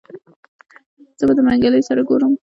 زه به د منګلي سره ګورم.